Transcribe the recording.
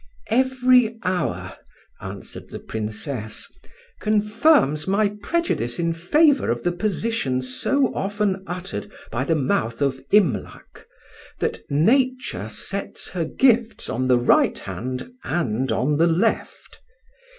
"Every hour," answered the Princess, "confirms my prejudice in favour of the position so often uttered by the mouth of Imlac, that 'Nature sets her gifts on the right hand and on the left.